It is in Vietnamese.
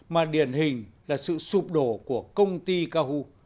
mà điển hình là sự sụp đổ của công ty cao hưu